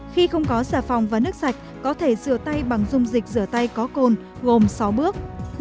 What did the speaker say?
khi không có xà phòng và nước sạch có thể rửa tay bằng dung dịch rửa tay có cồn gồm sáu bước